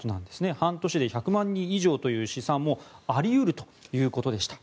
半年で１００万人以上という試算もあり得るということでした。